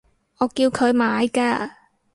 我叫佢買㗎